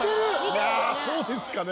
いやそうですかね。